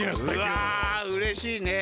うわうれしいね。